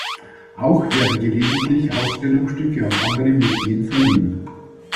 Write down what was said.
Auch werden gelegentlich Ausstellungsstücke an andere Museen verliehen.